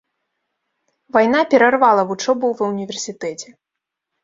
Вайна перарвала вучобу ва ўніверсітэце.